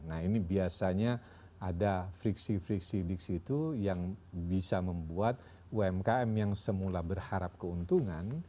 nah ini biasanya ada friksi friksi di situ yang bisa membuat umkm yang semula berharap keuntungan